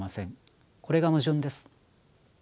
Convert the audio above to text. これが矛盾です。